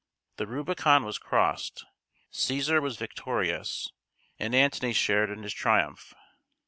The Rubicon was crossed; Cæsar was victorious, and Antony shared in his triumph.